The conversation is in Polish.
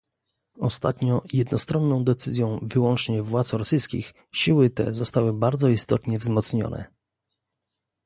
Ostatnio jednostronną decyzją wyłącznie władz rosyjskich siły te zostały bardzo istotnie wzmocnione